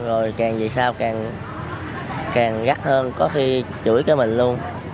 rồi càng về sau càng gắt hơn có khi chửi cái mình luôn